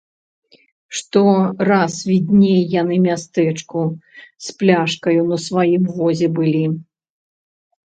Што раз відней яны мястэчку з пляшкаю на сваім возе былі.